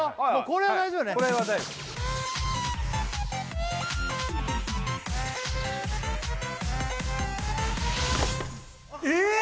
これは大丈夫えっ？